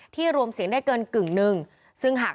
โหวตตามเสียงข้างมาก